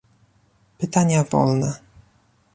Pytania wolne